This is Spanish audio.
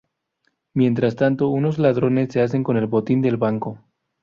Mientras tanto unos ladrones se hacen con el botín del banco...